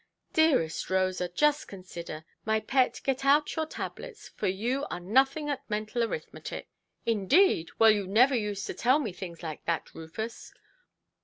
"Dearest Rosa, just consider: my pet, get out your tablets, for you are nothing at mental arithmetic". "Indeed! Well, you never used to tell me things like that, Rufus"!